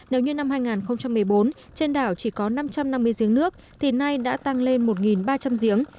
nếu như năm hai nghìn một mươi bốn trên đảo chỉ có năm trăm năm mươi giếng nước thì nay đã tăng lên một ba trăm linh giếng